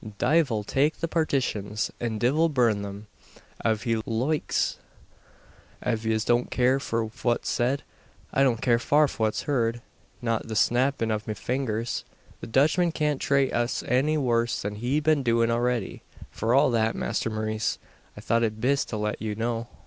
"Divil take the partitions; and divil burn them, av he loikes. Av yez don't care fur fwhat's sed, I don't care far fwhat's heeurd not the snappin' av me fingers. The Dutchman can't trate us any worse than he's been doin' already. For all that, Masther Maurice, I thought it bist to lit you know."